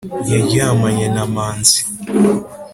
yaryamanye na manzi